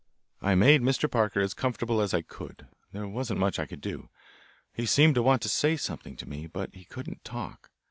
I made Mr. Parker as comfortable as I could. There wasn't much I could do. He seemed to want to say something to me, but he couldn't talk.